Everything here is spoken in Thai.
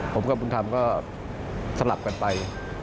ผมกับบุญธรรมก็สลับกันไป